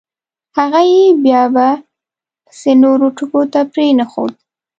هغه یې بیا به … پسې نورو ټکو ته پرېنښود.